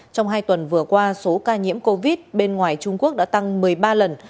trong hai tuần vừa qua số ca nhiễm covid bên ngoài trung quốc đã tăng một mươi ba lần